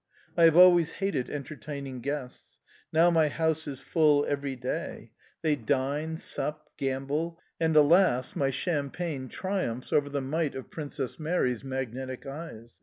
I have always hated entertaining guests: now my house is full every day; they dine, sup, gamble, and alas! my champagne triumphs over the might of Princess Mary's magnetic eyes!